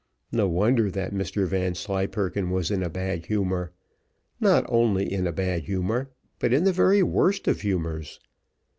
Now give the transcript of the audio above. No wonder that Mr Vanslyperken was in a bad humour not only in a bad humour, but in the very worst of humours.